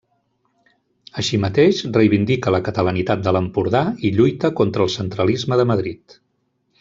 Així mateix, reivindica la catalanitat de l'Empordà i lluita contra el centralisme de Madrid.